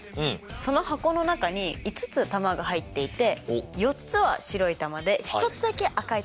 その箱の中に５つ球が入っていて４つは白い球で１つだけ赤い球です。